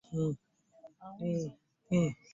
Amawulire amalungi n'amabi nsooke ki?